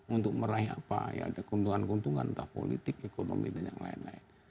untuk meraih apa ya ada keuntungan keuntungan entah politik ekonomi dan yang lain lain